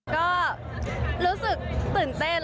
ก็รู้สึกตื่นเต้น